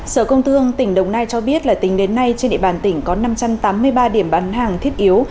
sở công thương tỉnh đồng nai cho biết là tính đến nay trên địa bàn tỉnh có năm trăm tám mươi ba điểm bán hàng thiết yếu